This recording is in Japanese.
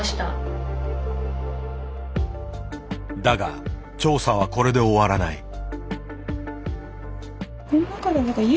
だが調査はこれで終わらない。